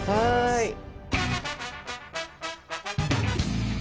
はい。